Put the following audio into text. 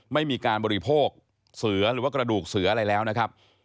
ไม่มีการบริโภคเสือหรือว่ากระดูกเสืออะไรแล้วนะครับ